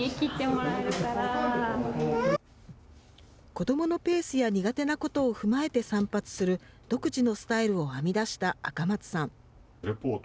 子どものペースや苦手なことを踏まえて散髪する独自のスタイルを編み出した赤松さん。